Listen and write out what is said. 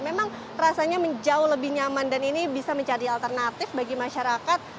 memang rasanya jauh lebih nyaman dan ini bisa menjadi alternatif bagi masyarakat